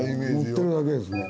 乗ってるだけですね。